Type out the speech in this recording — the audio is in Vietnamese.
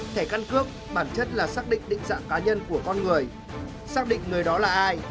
thẻ căn cước bản chất là xác định định dạng cá nhân của con người xác định người đó là ai